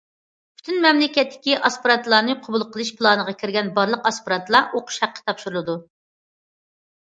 پۈتۈن مەملىكەتتىكى ئاسپىرانتلارنى قوبۇل قىلىش پىلانىغا كىرگەن بارلىق ئاسپىرانتلار ئوقۇش ھەققى تاپشۇرىدۇ.